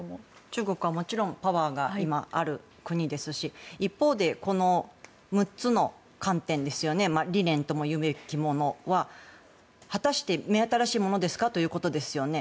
中国はもちろんパワーが今、ある国ですし一方で６つの観点ですね理念ともいうべきものは果たして目新しいものですかということですよね。